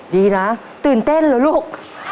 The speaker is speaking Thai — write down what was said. ดีนะตื่นเต้นเหรอลูก